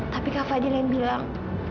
tapi kak fadil yang bilang